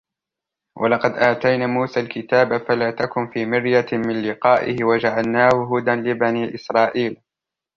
وَلَقَدْ آتَيْنَا مُوسَى الْكِتَابَ فَلَا تَكُنْ فِي مِرْيَةٍ مِنْ لِقَائِهِ وَجَعَلْنَاهُ هُدًى لِبَنِي إِسْرَائِيلَ